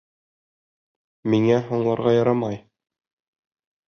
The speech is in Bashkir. Миңә һуңларға ярамай!